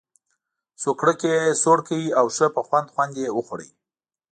سوکړک یې سوړ کړ او ښه په خوند خوند یې وخوړ.